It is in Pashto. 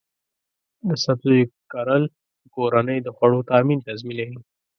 د سبزیو کرل د کورنۍ د خوړو تامین تضمینوي.